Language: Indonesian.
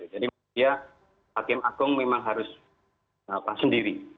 jadi maksudnya hakim agung memang harus sendiri